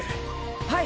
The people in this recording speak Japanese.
はい！